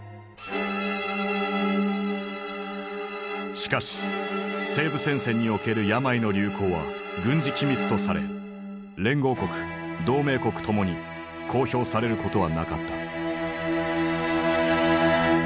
しかし西部戦線における病の流行は軍事機密とされ連合国同盟国ともに公表されることはなかった。